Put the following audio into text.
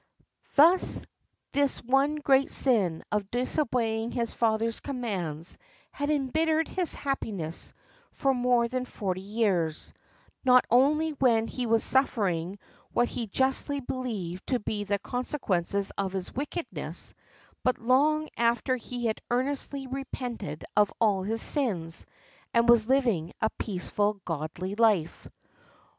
Thus this one great sin of disobeying his father's commands had embittered his happiness for more than forty years, not only when he was suffering what he justly believed to be the consequences of his wickedness, but long after he had earnestly repented of all his sins, and was living a peaceful, godly life.